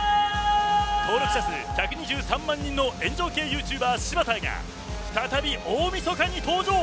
登録者数１２３万人の炎上系ユーチューバーシバターが再び大みそかに登場。